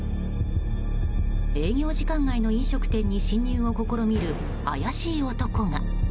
営業時間外の飲食店に侵入を試みる怪しい男が。